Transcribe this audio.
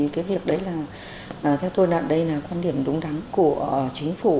cái việc đấy là theo tôi đoạn đây là quan điểm đúng đắn của chính phủ